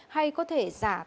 hay có thể giả tài sản